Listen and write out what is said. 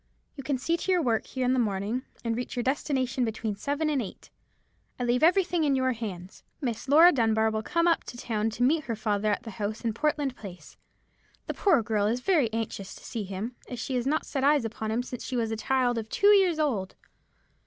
You can see to your work here in the morning, and reach your destination between seven and eight. I leave everything in your hands. Miss Laura Dunbar will come up to town to meet her father at the house in Portland Place. The poor girl is very anxious to see him, as she has not set eyes upon him since she was a child of two years old.